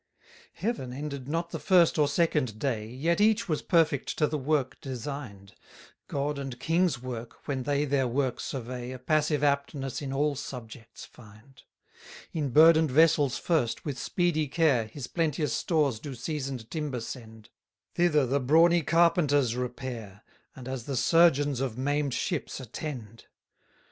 141 Heaven ended not the first or second day, Yet each was perfect to the work design'd; God and king's work, when they their work survey, A passive aptness in all subjects find. 142 In burden'd vessels first, with speedy care, His plenteous stores do seasoned timber send; Thither the brawny carpenters repair, And as the surgeons of maim'd ships attend.